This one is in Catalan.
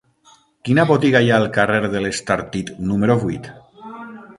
Quina botiga hi ha al carrer de l'Estartit número vuit?